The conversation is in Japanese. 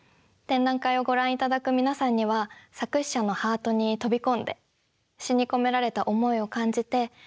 展覧会をご覧いただく皆さんには作詩者のハートに飛び込んで詩に込められた思いを感じて